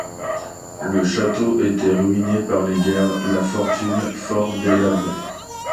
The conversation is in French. Le château était ruiné par les guerres, la fortune fort délabrée.